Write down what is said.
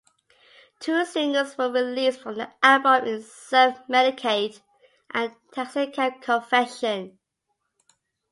Two singles were released from the album in "Self Medicate" and "Taxi Cab Confession".